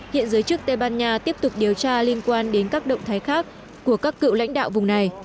hiện giới chức tây ban nha tiếp tục điều tra liên quan đến các động thái khác của các cựu lãnh đạo vùng này